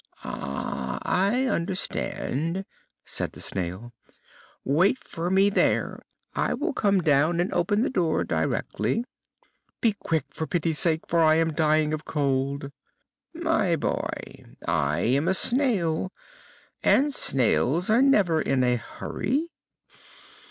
"Ah, I understand!" said the Snail. "Wait for me there. I will come down and open the door directly." "Be quick, for pity's sake, for I am dying of cold." "My boy, I am a snail, and snails are never in a hurry."